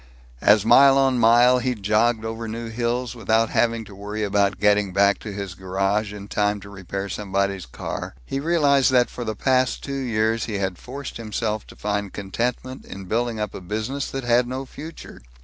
As mile on mile he jogged over new hills, without having to worry about getting back to his garage in time to repair somebody's car, he realized that for the past two years he had forced himself to find contentment in building up a business that had no future.